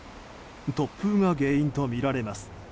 突風が原因とみられます。